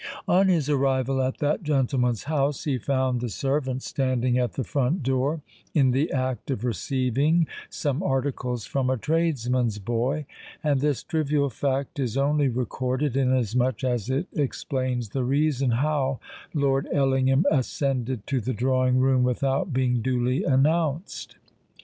On his arrival at that gentleman's house, he found the servant standing at the front door in the act of receiving some articles from a tradesman's boy; and this trivial fact is only recorded, inasmuch as it explains the reason how Lord Ellingham ascended to the drawing room without being duly announced.